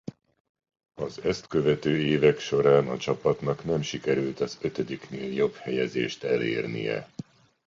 Az ezt követő évek során a csapatnak nem sikerült az ötödiknél jobb helyezést elérnie.